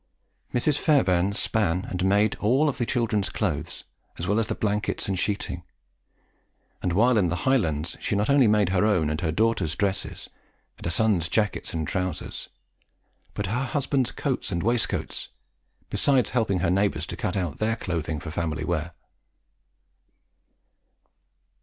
Mrs. Fairbairn span and made all the children's clothes, as well as the blankets and sheeting; and, while in the Highlands, she not only made her own and her daughters' dresses, and her sons' jackets and trowsers, but her husband's coats and waistcoats; besides helping her neighbours to cut out their clothing for family wear.